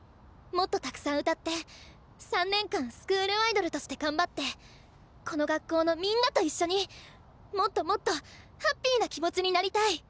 もっとたくさん歌って３年間スクールアイドルとして頑張ってこの学校のみんなと一緒にもっともっとハッピーな気持ちになりたい。